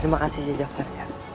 terima kasih si jafar